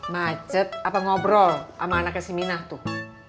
macet apa ngobrol sama anaknya si minah tuh